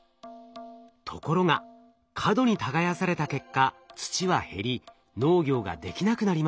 ところが過度に耕された結果土は減り農業ができなくなりました。